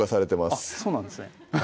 あっそうなんですね